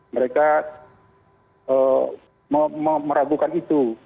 mereka meragukan itu